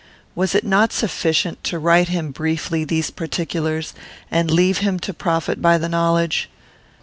Was it not sufficient to write him briefly these particulars, and leave him to profit by the knowledge?